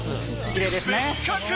きれいですね。